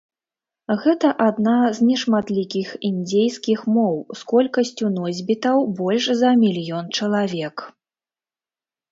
Гэта адна з нешматлікіх індзейскіх моў з колькасцю носьбітаў больш за мільён чалавек.